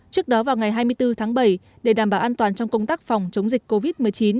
trước đó vào ngày hai mươi bốn tháng bảy để đảm bảo an toàn trong công tác phòng chống dịch covid một mươi chín